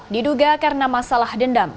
diduga karena masalah dendam